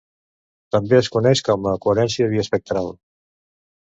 També es coneix com a coherència biespectral.